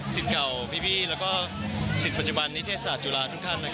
สิทธิ์เก่าทุกและสิทธิ์ปัจจุบันนิเธศศาสตร์จุฬาคุณ